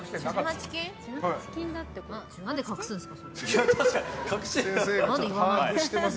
何で隠すんですか。